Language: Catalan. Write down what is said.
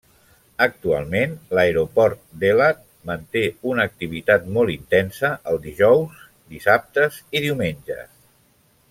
Actualment, l'Aeroport d'Elat manté una activitat molt intensa els dijous, dissabtes i diumenges.